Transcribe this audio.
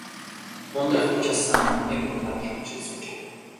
Ундрах хүж асаан, номын мөр дагуулан уншиж суужээ.